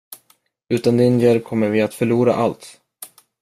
Utan din hjälp kommer vi att förlora allt.